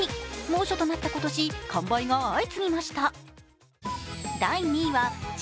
猛暑となった今年、完売が相次ぎました。